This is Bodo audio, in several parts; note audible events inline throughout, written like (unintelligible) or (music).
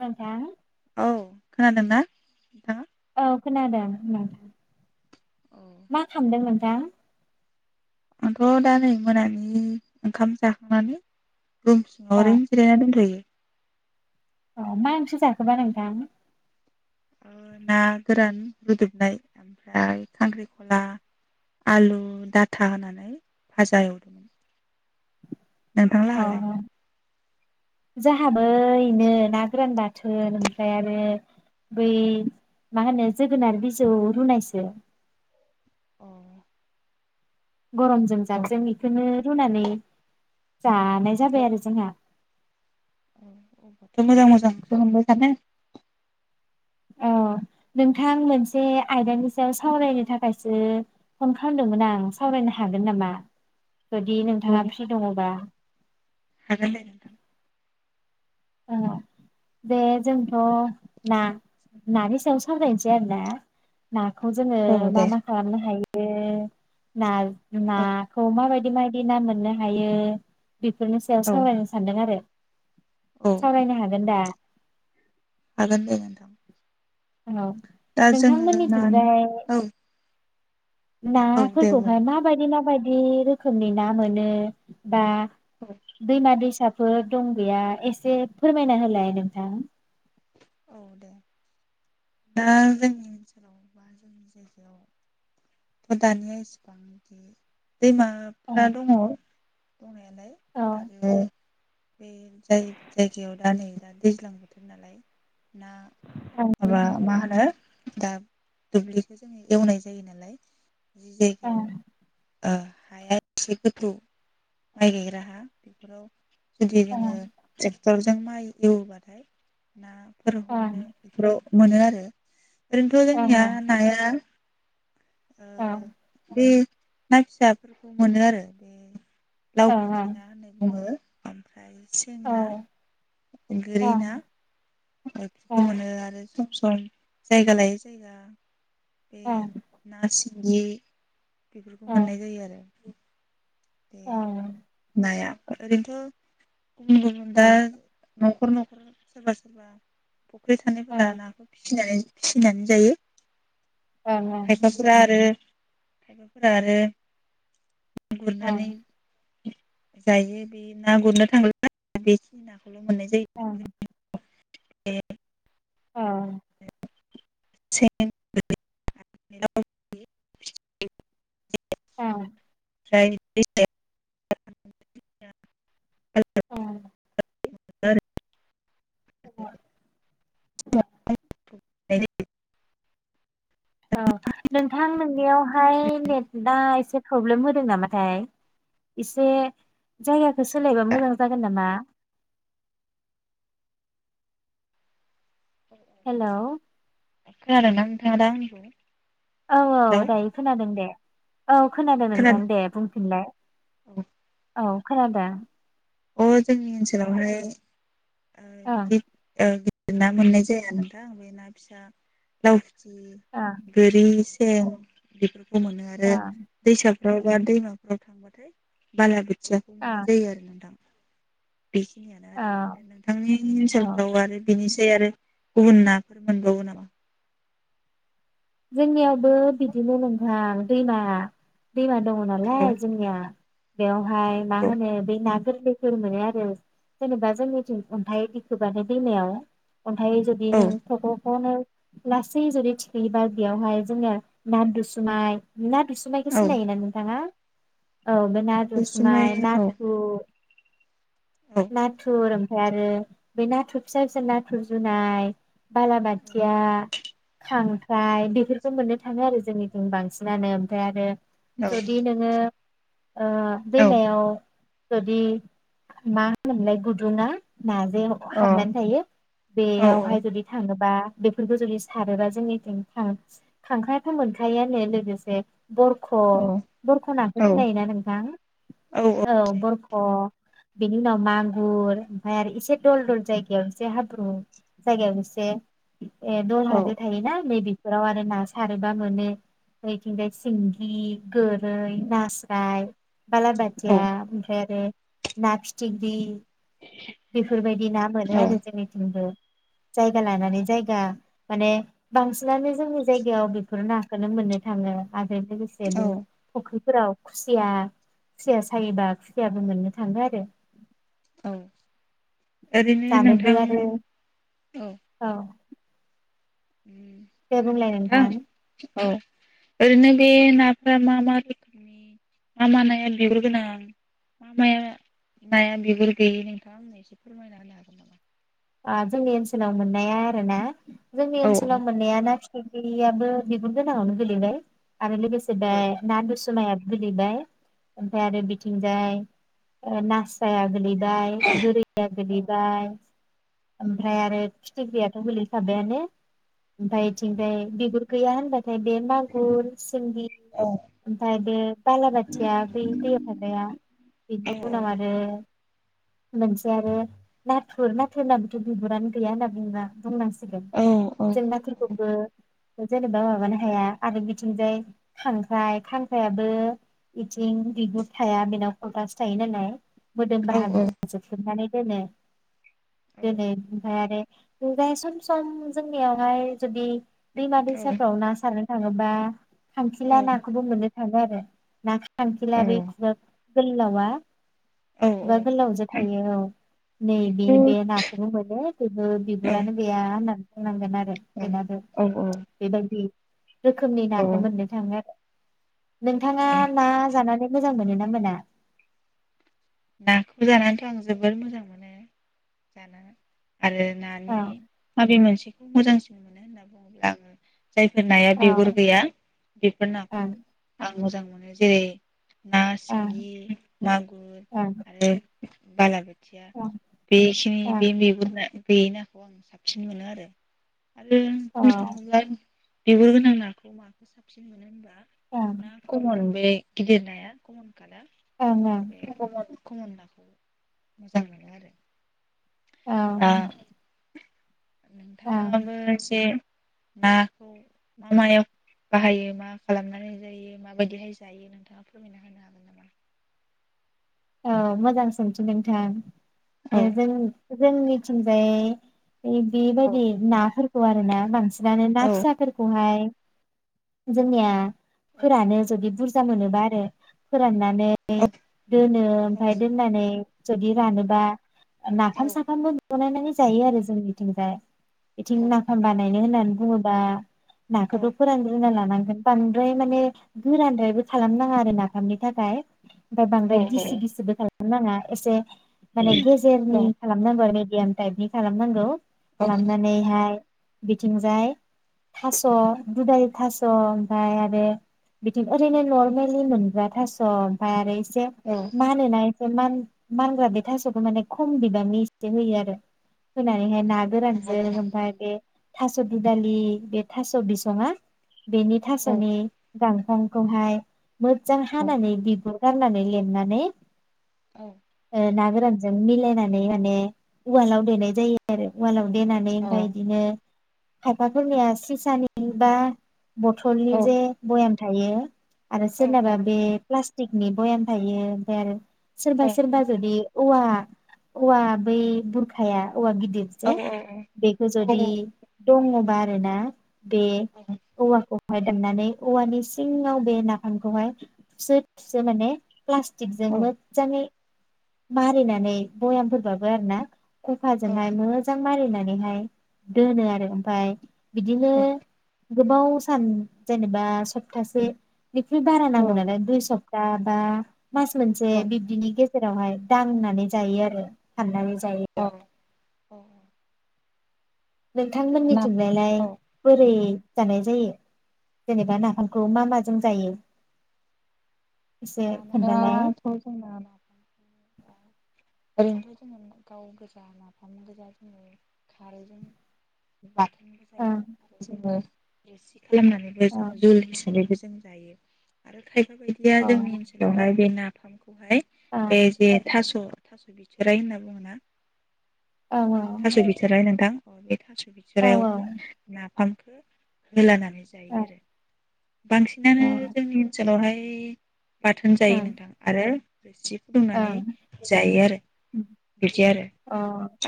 नोंथां औ खोनादों ना नोंथाङा? औ खोनादों नोंथां। मा खामदों नों थां आंथ' दा नै मोनानि ओंखाम जाखांनानै रुम सिंङाव अ ओरैनो जिरायना दंथ'यो। अ मा ओंख्रि जाखो बा नोंथां? ओ ना गोरान रुदुबनाय ओमफ्राय खांख्रिखला आलु दाथा होनानै भाजा एवदोंमोन। नोंथां अ लाहालाय? जोंहाबो इनो ना गोरान बाथोन ओमफ्राय आरो बै मा होनो जोगोनार बिजौ रुनायसो। अ। गरमजों जाबजों बेखोनो रुनानै जानाय जाबाय आरो जोंहा। औ अबावथो मोजां मोजां ओंख्रि मोनबाय थानो। औ नोंथां मोनसे आयदानि सायाव सावरायनो थाखायसो फन खालामदोंमोन आं । सावरायनो हागोन नामा? जुदि नोंथांङा औ फ्रि दंङ'बा। हागोन दे नोंथां। ओ बे जोंथ' ना नानि सायाव सावरायनोसै आरोना ना खौ जोंङो औ मा दे मा खालामनो हायो? ए ना औ नाखौ मा बायदि बायदि बायदि ना मोननो हायो। बेफोरनि सायाव औ सावरायनो सानदों आरो औ सावरायनो हागोन दा? हागोन दे नोंथां। औ दा जोङो नानि नोंथांमोननिथिंजाय औ औ दे बुं नाफोरखौहाय माबायदि मा बायदि रोखोमनि ना मोनो बा औ दैमा दैसा फोर दं गैया एसे फोरमायना होलाय नोंथां। औ दे दा जोंनि ओनसोलाव बा जोंनि जायगायाव थ दानिया एसेबांखि दैमाफ्रा ओं दङ दंनाया (unintelligible) लाय औ आरो बे जाय जायगायाव दा नै दा दैज्लां बोथोर नालाय ना ओं माबा मा होनो दा दुब्लिखौ जोङो एवनाय जायो नालाय बि ओं जायगायाव ओ हाया एसे गोथौ माइ गायग्रा हा बेफोराव जुदि ओं जोङो ट्रेक्टर जों माइ एवोबाथाय ना फोर हमनो ओं इफोराव मोनो आरो ओरैनोथ' ओं जोंनिया नाया ओ ओं दे ना फिसाफोरखौ मोनो आरो बेे लाव ओं ओं फुथिना होननाय बुङो ओमफ्राय सेंना औ औ गोरि ना ओथिखौ मोनो आरो सम सम जायगा लायै जायगा बे नारसि गि बेफोरखौ मोननाय जायो आरो बे नाया ओरैनथ' गुबुन गुबुन दा (unintelligible) खर न'खर सोरबा सोरबा फुख्रि थानायफोरा नाखौ फिसिनानै फिनानै जायो। खायफाफोरा आरो खायबाफोरा आरो अनानानै जायो बे ना गुरनो थांला बेखि नाखौ खौल मोननाय जायो नामा ए ए (inaudible) अ (unintelligible) औ (unintelligible) औ (inaudible) औ नोंथां नोंनियावहाय नेटा एसे प्रब्लेम होदों नामाथाय एसे जायगाखौ सोलायबा मोजां जागोन नामा हेलौ खोनादों ना नोंथाङा दा आंनिखौ औ औ हेल' दायो खोनादों दे औ खोनादों नोंथां दे बुंफिनलाय औ खोनादों अ जोंनि ओनसोलावहाय आ ओं बिदि बि ना मोननाय जाया नोंथां ना फिसा लावि ओं गोरिस बे मोनो आरो ओं दैसा बबा दैमाफोराव थांबाथाय बाला खोथियाखौ मोननाय ओं जायो आरो नोंथां। बेखिनियानो आरो औ नोंथांनि औ ओनसोलफ्राव आरो बिनि आरो गुबुन नाफोर मोनबावो नामा जोंनियावबो बिदिनो नोंथां दैमा दैमा दङ औ नालाय जोंनिया बेआव हाय मा औ होनो बे ना गोरलैफोर मोनो आरो जेनेबा जोंनिथिं अन्थाइ दिखोबानाय दैमायाव अन्थायै जदि न औ थ'ख'नो लाासै जदि थिखोयोबा बेयावहाय जोङो ना दुसुमाय ना दुसुमनायखौ औ सिनायोना नोंथाङा? औ बे दुसुमै नाथुसुमाय, औ नाथुर औ नाथुर ओमफ्राय आरो बे नाथुर फिसा फिसा नाथुर जुनाय औ बालाबाथिया, थां ख्ख्राय बेफोरखौ मोननो थाङो आरो जोंनिथिं बांसिनानो ओमफ्राय आरो, जदि नोङो औ दैमायाव जुदि मा होनोमोनलाय गुदुंआ। ना जे औ हाबनानै थायो औ बेयावहाय जुदि थाङोबा। बेफोरखौ जुदि सारोबा जोंनिथिं खांख्रायाथ' मोनखायोआनो लोगोसे बरख' बरख' नाखौ औ सिनायोना नोंथां? औ बरख'। बेनि उनाव मागुर ओमफ्राय आरो इसे दल दल जायगायाव एसे हाब्रु जायगायाव एसे ए दलहा औ जे थायो ना मेबि बेफोराव आरो ना सारोबा मोनो ओरैथिंजाय सिंगि गोर नास्राय बाला औ बाथिया आरो ना फिथिख्रि बेफोरबायदि ना मोनो आरो जोंनिथिंबो । जायगा लानानै जायगा। माने बांसिनानो जोंनि जायगायाव बेफोर नाखौनो मोननो थाङो। आरो लोगोसेदि फख्रि फोराव खुसिया खुसिया सायोबा खुसियाबो मोननो थाङो आरो। औ ओरैनो जानोबो नोंथां आरो औ दे मा होनो बुंलाय नोंथां औ। ओरैनो बे नाफ्रा मा मा रोखोमनि मा मा नाया बिगुर गोनां? मा माया नाया बिगुर गैयि? नोंथांआ एसे फोरमायना होनो हागोन नामा? जोंनि ओनसोलाव मोननाया आरो ना। जोंनि औ ओनसोलाव मोननाया ना आबो बिगुर गोनांआवनो गोलैबाय। आरो लोगोसे बे औ ना दुसु मायाबो गोलैबाय ओमफाय आरो बिथिंजाय ओ नास्राइया गोलैब बाय गोरैया औ गोलैबाय औ ओमफ्राय आरो फि थिख्रियाथ' गोलैखाबायानो। ओमफाय इथिंजाय बिगुर गैया होनबा ओमफ्राय बे मागुर, सिंगि औ ओमफाय बे बालाबाथिया बै दैयाव थाग्राया औ बेनि उनाव आरो मोनसे आरो नाथुर ना थुरनाबोथ' बिबुरानो गैया होनना बुङोना बुंनांसि सिगोन औ जों नाथुरखौबो जेनेबा माबानो हाया आरो बिथिंजाय खांख्राइ खांख्रायाबो बिथिं बिगुर थाया बेनाव कलथासो थायो नालाय। मोदोम बाहागोखौ जोख्लोबनानै दोनो। दोनो बिनिफाय आरो मुगाया सम सम जोंनियावहाय जुदि दैमा दैसाफ्राव ना सारनो थाङोबा खांखिला औ नाखौबो मोनो। मोनो आरो ना खां खांखिला बे औ खुगा गोल्लावा औ एबा औ गोलाव जे थायो औ नैबे बेखौ बे नाखौबो मोनो बेबो औ बिबुरानो गैया होनना बुंनांगोन आर रो बेनाबो औ बेबायदि रोखोमनि औ नाखौ मोननो थाङो आरो। नोंथाङा ना जानानै मोजां मोनो ना मोना? नाखौ जानानैथ' आं जोबोद मोजां मोनो, जाना। आरो औ नानि माबे मोनसेखौ मोजांसिन मोनो होनना (unintelligible) जायफोर नाया बिगुर ओं गैया बेफोर नाखौ ओं आं मोजां मोनो जेरै ना ओं सिंगि, मागुर ओं आरो बाला बो थिया औ बेखिनि ओं बे बिगुर ना गैयि नाखौ आं साबसिन मोनो आरो। आरो बुंनो थाङोब्ला बिगुर गोनां नाखौ माखौ साबसिन मोनो होनबा? ओं ना खमन बे गिदिर नाया खमन ओं खमन कमन नाखौ मोजां मोनो आरो। औ दा ओं नोंथाङाबो एसे नाखौ मा मायाव बाहायो मा खालामनानै जायो माबायदिहाय जायो नोंथाङा फोरमायना होनो हागोन नामा? औ मोजां सोंथि नोंथां। हागोन नामा? औ ओ जों जोंनिथिंजाय बे बेबायदि औ नाफोर खौ आरो ना बांसि नानो ना औ फिसाफोरखौहाय जोंनिया फोरानो, जुदि बुरजा मोनोबा आरो फोरानना माने औ दोनो औ ओमफाय दोननानै जुदि रानोबा औ नाफाम साफामबो बानायनानै जायो आरो जोंनिथिंजाय । बेथिं नाफाम बानाय नाय होननानै बुङोबा नाखौथ' फोरानग्रोना लानांगोन। बांद्राय माने गोरानद्रायबो खालाम नाङा आरो नाफामनि थाखाय ओमफाय औ बांद्राय गिबि गिसिबो खालाम नो नाङा इसे माने गेजेरनि खालामनांगौ गियान टाइपनि खालामनांगौ औ खालामनानैहाय बिथिंजाय थास' दुदालि थास' ओमफाय आरो बिथिं ओरैनो नरमेलि मोनग्रा थास' ओमफाय आरो एसे औ (unintelligible) मान मानग्रा बे थास'खौ माने खम बिबांनि एसे होयो आरो औ होनानैहाय ना नंगौ गोरानजों नामा? ओमफाय बे थास' दुदालि बे थास' बिसङा बेनि थास'नि गां खंखौहाय मोजजां हानानै बिगुद गारनानै लेमना नै औ ना गोरानजों मिलायनानै माने उवालाव देनाय जायो आरो उवालाव देनानै ओमफाय इदिनो खायफाफोरनिया स्रिसानिबा बथलनि जे बयाम थायो आरो सोरनाबा बे प्लास टिकनि बयाम थायो देल सोरबा सोरबा जदि औवा औवा बै बुरखाया औवा गिदिरजे बेखौ जुदि दङबा आरोना बे औवाखौ हाय दाननानै औवानि सिङाव बे नाफामखौहाय थुसो थुसो माने प्लास थिगजों मोदजाङै मारिनानै बयामफोरबाबो आरो ना खखाजोंहाय मोजां मारिनानैहाय दोनो आरो ओमफाय बिदिनो गोबाव सान जेनेबा सप्तासे निख्रुइ बारा नांगोन नालाय दुइ सब दाबा मास मोनसे बिब्दिनि गेजे जेरावहाय दांनानै जायो आरो हाननानै जायो औ औ औ नोंथांमोननिथिंलाइलाय बोरै जानाय जायो जेनेबा नाफामखौ मा माजों जायो एसे खोन्थालाय जानायाथ' जोंना ओरैनोथ' जोङो गाव गोजा नाफाम गोजा जोङो खारैजों ओं जोबो रोसि खालामनानैबो ओं जोङो जुलि हिसाबै जों जायो आरो था बेफोरबायदिया जोंनि ओनसोलावहाय बे ना (unintelligible) बहाय अ बे ए थास' थास' बिथोराइ होनना बुङोना ओं औ थास' बिथोराय नोंथां (unintelligible) थास' औ बिथोरायावबो ना फामखो (inaudible) होलानानै जायो आरो बांसिनानो ओं ओं जोंनि ओनसोलावहाय बि बाथोन जायो ओं नोंथां आरो सि फुदुंनानै ओं जायो आरो अ बिदि आरो ओ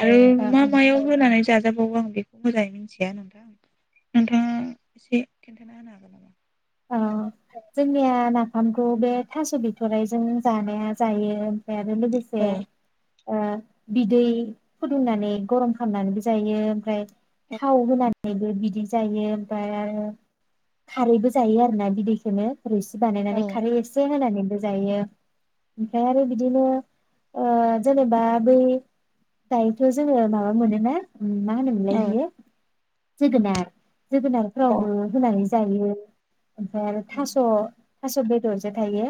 आरो मा ओं मायाव होनानै जाजाबावो आं बेखौ मोजाङै मिथिया नोंथां नोंथाङा एसे खिन्थाना होनो हागोन नामा अ जोंनिया ना नाफामखौ बे थास' बिथ'ररायजों जानाया जायो ओमफ्राय आरो लोगोसे औ अ बिदै फुदुंनानै गरम खालामनानैबो जायो ओमफ्राय थाव होना बो बिदि जायो ओमफ्राय आरो खारैबो जायो आरोना बिदखनो रोसि औ बानायनानै खारै एसे होननानै जायो ओमफ्राय आरो बिदिनो ओ जेनेबा बै दायोथ' जोङो माबा मोनोना ओम मा होनोमोनलय बियो जोगोनार औ जोगोनारफ्रावबो होनानै जायो ओमफ्राय आरो थास' थास बेदरजे थायो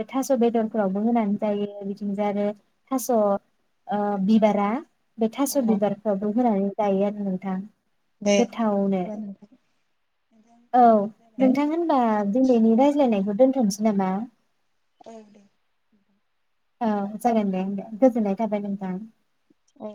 बे थास' बेदरफोरावबो होननानै जायो बिथिं जा आरो थास' ओ बिबारा बे थास' औ बिबारफ्रावबो होनानै जायो आरो नोंथां दे गोथावनो औ जाबाय नोंथां होनबा दिनैनि रायज्लायनायखौ दोनथ'नोसै नामा औ दे औ जागोन दे दे गोजोननाय थाबाय नोंथां औ